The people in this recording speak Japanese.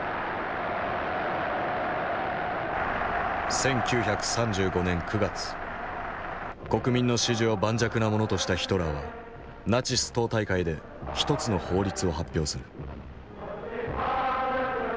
１９３５年９月国民の支持を盤石なものとしたヒトラーはナチス党大会で一つの法律を発表する。